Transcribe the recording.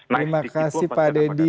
terima kasih pak deddy